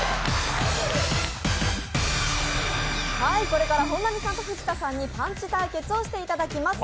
これから本並さんと藤田さんにパンチ対決をしていただきます。